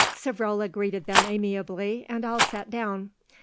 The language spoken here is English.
Savrola greeted them amiably, and all sat down.